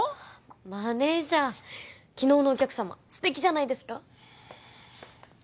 マネージャー昨日のお客様素敵じゃないですか？